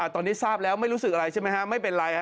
ตอนนี้ทราบแล้วไม่รู้สึกอะไรใช่ไหมฮะไม่เป็นไร